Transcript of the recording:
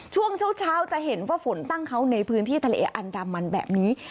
ช่วงเช้าจะเห็นว่าฝนตั้งเขาในพื้นที่ทะเลอันดามันแบบนี้